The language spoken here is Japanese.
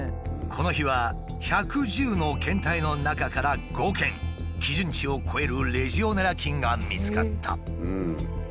この日は１１０の検体の中から５件基準値を超えるレジオネラ菌が見つかった。